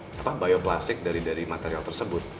jadi kita bisa menggunakan plastik dari dari material tersebut